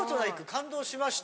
感動しました。